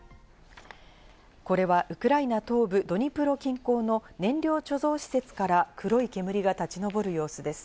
これはウクライナ東部ドニプロ近郊の燃料貯蔵施設から黒い煙が立ち上る様子です。